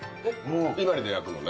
伊万里で焼くのね。